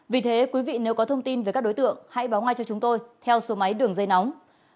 vì thế quý vị nếu có thông tin về các đối tượng hãy báo ngay cho chúng tôi theo số máy đường dây nóng